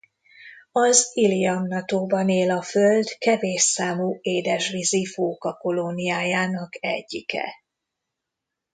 Az Iliamna-tóban él a Föld kevés számú édesvízi fóka kolóniájának egyike.